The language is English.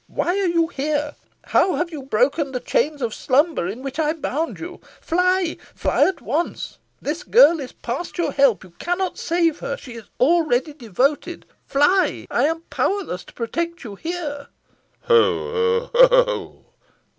"Why are you here? How have you broken the chains of slumber in which I bound you? Fly fly at once, this girl is past your help. You cannot save her. She is already devoted. Fly. I am powerless to protect you here." "Ho! ho! ho!"